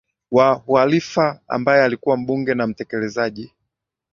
wa Ukhalifa ambaye alikuwa mbunge na mtekelezaji